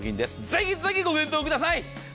ぜひぜひご検討ください。